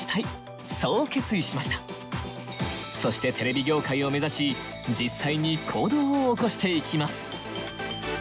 そしてテレビ業界を目指し実際に行動を起こしていきます。